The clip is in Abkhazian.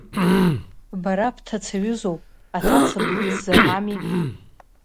Бара бҭацаҩызоуп, аҭаца блыцзар ами…